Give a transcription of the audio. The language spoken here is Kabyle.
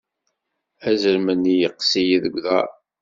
Azrem-nni yeqqes-iyi deg uḍar.